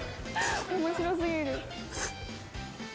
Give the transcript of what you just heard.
面白過ぎる。